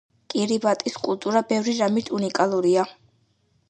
კირიბატის კულტურა ბევრი რამით უნიკალურია.